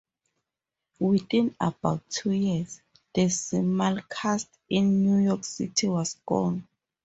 Within about two years, the simulcast in New York City was gone.